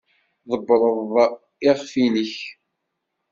Tḍebbreḍ iɣef-nnek.